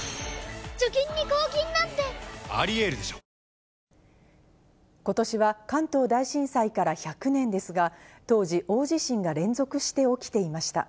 ただ、ことしは関東大震災から１００年ですが、当時、大地震が連続して起きていました。